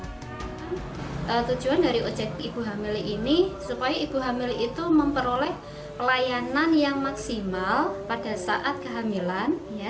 tujuan dari ojek ibu hamil ini supaya ibu hamil itu memperoleh pelayanan yang maksimal pada saat kehamilan